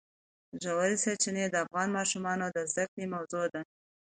ژورې سرچینې د افغان ماشومانو د زده کړې موضوع ده.